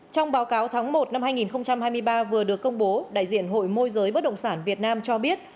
trong báo cáo tháng một năm hai nghìn hai mươi ba vừa được công bố đại diện hội môi giới bất động sản việt nam cho biết